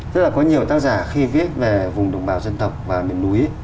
rất là có nhiều tác giả khi viết về vùng đồng bào dân tộc và miền núi